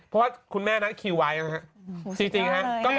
เพราะว่าคุณแม่รัดคิวยังหรือเปล่า